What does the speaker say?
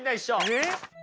えっ？